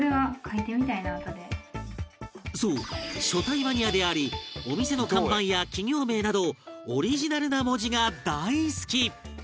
そう書体マニアでありお店の看板や企業名などオリジナルな文字が大好き！